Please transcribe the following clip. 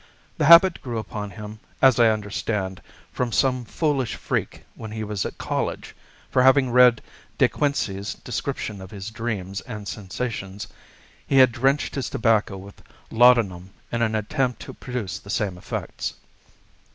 The habit grew upon him, as I understand, from some foolish freak when he was at college; for having read De Quincey's description of his dreams and sensations, he had drenched his tobacco with laudanum in an attempt to produce the same effects.